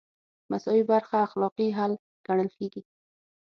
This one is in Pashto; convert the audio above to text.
مساوي برخه اخلاقي حل ګڼل کیږي.